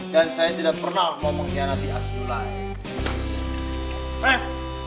dan saya tidak pernah mau mengkhianati asdulillah